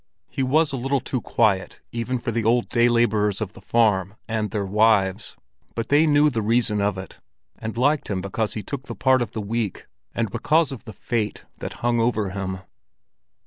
He was a little too quiet even for the old day laborers of the farm and their wives; but they knew the reason of it and liked him because he took the part of the weak and because of the fate that hung over him.